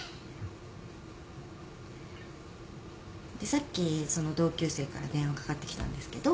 さっきその同級生から電話かかってきたんですけど。